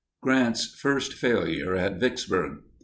GRANT'S FIRST FAILURE AT VICKSBURG.